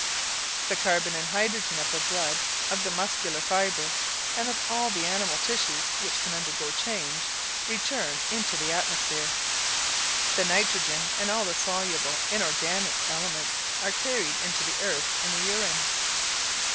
The carbon and hydrogen of the blood, of the muscular fibre, and of all the animal tissues which can undergo change, return into the atmosphere. The nitrogen, and all the soluble inorganic elements are carried to the earth in the urine.